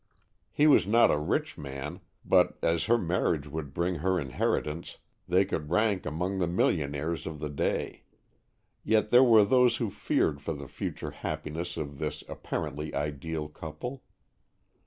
He was not a rich man, but, as her marriage would bring her inheritance, they could rank among the millionaires of the day. Yet there were those who feared for the future happiness of this apparently ideal couple.